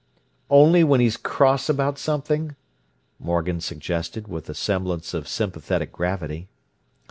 "Only when he's cross about something?" Morgan suggested, with a semblance of sympathetic gravity.